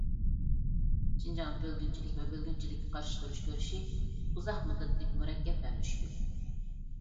شىنجاڭدا بۆلگۈنچىلىك ۋە بۆلگۈنچىلىككە قارشى تۇرۇش كۈرىشى ئۇزاق مۇددەتلىك، مۇرەككەپ ۋە مۈشكۈل.